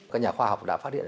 các nhà khoa học đã phát hiện